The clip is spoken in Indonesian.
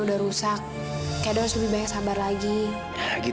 nanti ayah kembali giang